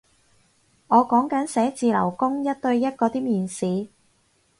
我講緊寫字樓工一對一嗰啲面試